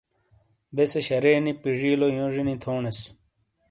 بیسے شرے نی پجیلویوں جونی تھونس۔